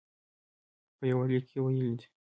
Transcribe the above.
په یوه لیک کې ویلي دي.